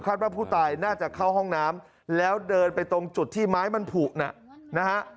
ว่าผู้ตายน่าจะเข้าห้องน้ำแล้วเดินไปตรงจุดที่ไม้มันผุนะฮะ